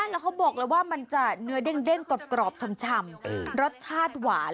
แล้วเขาบอกเลยว่ามันจะเนื้อเด้งกรอบชำรสชาติหวาน